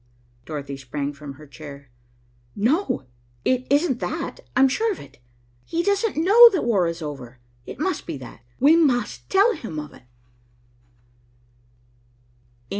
Dorothy sprang from her chair. "No, it isn't that. I'm sure of it. He doesn't know that war is over. It must be that. We must tell him of it."